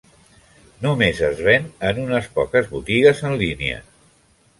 Només es ven en unes poques botigues en línia.